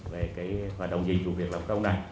về cái hoạt động dịch vụ việc làm công này